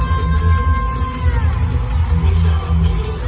มันเป็นเมื่อไหร่แล้ว